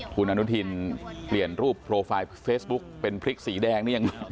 คุณอนุทินเปลี่ยนรูปโปรไฟล์เฟซบุ๊กเป็นพริกสีแดงนี่ยัง